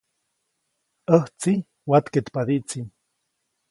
ʼÄjtsi watkeʼtpadiʼtsi.